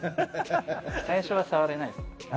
最初は触れないです。